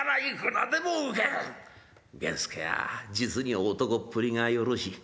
源助は実に男っぷりがよろしい。